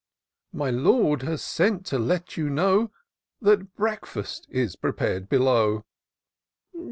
" My Lord has sent to let you know That breakfast is prepared below."